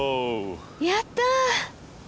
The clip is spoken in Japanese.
やった。